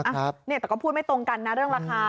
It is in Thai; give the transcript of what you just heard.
แต่ก็พูดไม่ตรงกันนะเรื่องราคา